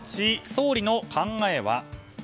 総理の考えは？